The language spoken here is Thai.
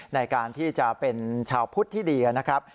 ในการที่จะเป็นชาวพุทธที่ดีนะครับ